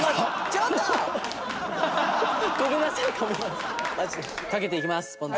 ちょっと！かけていきますポン酢。